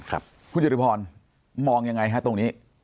ครับคุณเจอร์ริพรมองยังไงตรงนี้